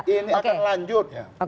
ini akan lanjut